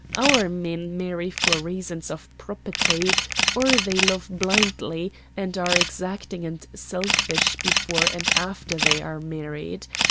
Our men marry for reasons of property, or they love blindly, and are exacting and selfish before and after they are married.